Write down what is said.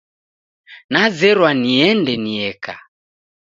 Nazerwa niende nieka